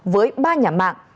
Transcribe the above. với ba nhà mạng